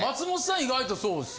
意外とそうですよ。